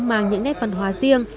mang những nét văn hóa riêng